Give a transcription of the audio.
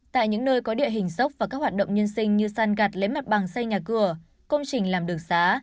tại những nơi có địa hình dốc và các hoạt động nhân sinh như san gạt lấy mặt bằng xây nhà cửa công trình làm đường xá